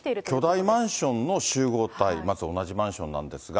巨大マンションの集合体、まず同じマンションなんですが。